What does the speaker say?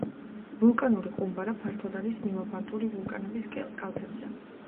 ვულკანური ყუმბარა ფართოდ არის მიმოფანტული ვულკანების კალთებზე.